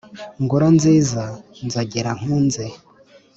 ngoro nziza nzogera nkunze,